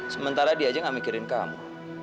sementara dia aja nggak mikirin kamu